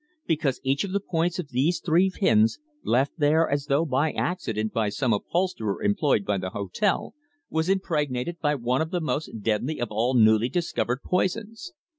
"Because each of the points of those three pins, left there as though by accident by some upholsterer employed by the hotel, was impregnated by one of the most deadly of all newly discovered poisons.